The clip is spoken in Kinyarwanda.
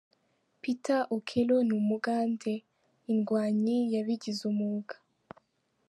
Peter Okello ni umugande, indwanyi yabigize umwuga.